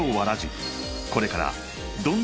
［これから］